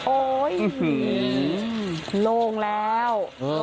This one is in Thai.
โอ้ยลงแล้ว